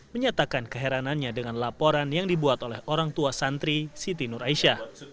menyatakan keheranannya dengan laporan yang dibuat oleh orang tua santri siti nur aisyah